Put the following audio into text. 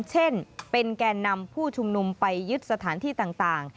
เช่นเป็นแก่นำผู้ชุมนุมไปยึดสถานที่ต่าง